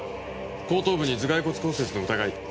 後頭部に頭蓋骨骨折の疑い。